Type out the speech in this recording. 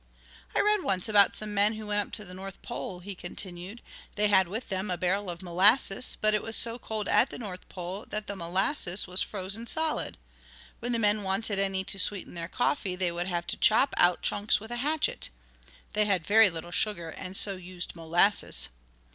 "I read once about some men who went up to the North Pole," he continued. "They had with them a barrel of molasses, but it was so cold at the North Pole that the molasses was frozen solid. When the men wanted any to sweeten their coffee they would have to chop out chunks with a hatchet. They had very little sugar and so used molasses.